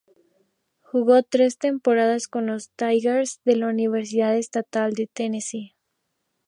Jugó tres temporadas con los "Tigers" de la Universidad Estatal de Tennessee.